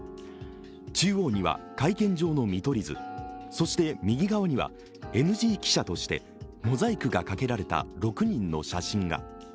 中央には会見場の見取り図、そして右側にはＮＧ記者としてモザイクがかけぱさた６人の写真が。